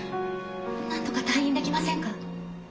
なんとか退院できませんか？